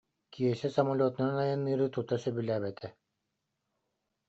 Киэсэ самолету- нан айанныыры тута сөбүлээбэтэ